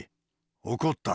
怒った。